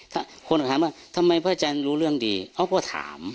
ถ้าคนอาจารย์บอกว่าทำไมพระอาจารย์รู้เรื่องดีเอาเพราะถาม